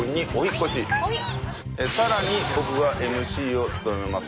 さらに僕がＭＣを務めます